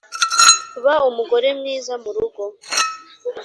ba umugore mwiza mu rugo